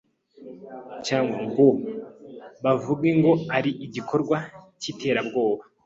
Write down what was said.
cg ngo bavuge ko ari igikorwa cy’iterabwoba ,